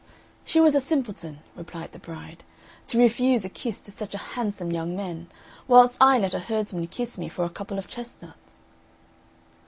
"She was a simpleton," replied the bride, "to refuse a kiss to such a handsome young man, whilst I let a herdsman kiss me for a couple of chestnuts."